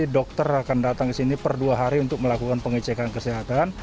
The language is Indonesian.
dokter akan datang ke sini per dua hari untuk melakukan pengecekan kesehatan